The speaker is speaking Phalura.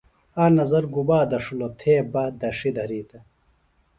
آ نظر گُبا دڇھلوۡ تھے بہ دڇھی دھرِیتہ۔